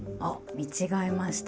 見違えました。